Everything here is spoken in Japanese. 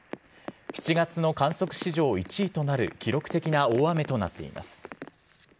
７月の観測史上１位となる、記録的な大雨となっています。